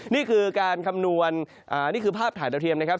นี่คือการคำนวณนี่คือภาพถ่ายดาวเทียมนะครับ